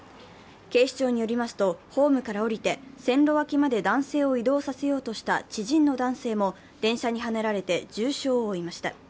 警視庁によりますと、ホームから降りて線路脇まで男性を移動させようとした知人の男性も電車にはねられて重傷を負いました。